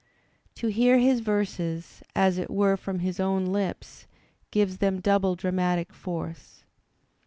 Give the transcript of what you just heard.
To hear his verses, as it were from his own lips, gives them double dramatic force.